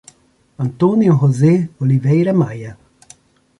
Antônio José Oliveira Maia